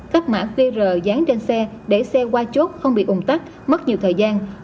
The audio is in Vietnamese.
cấp mã qr dán trên xe để xe qua chốt không bị ủng tắc mất nhiều thời gian